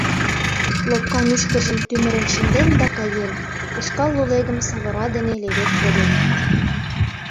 Лопка мӱшкыржым тӱмырен шынден да каен, ушкал лулегым савора дене левед коден.